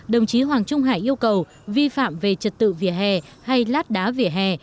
đồng chí hoàng trung hải yêu cầu vi phạm về trật tự vỉa hè hay lát đá vỉa hè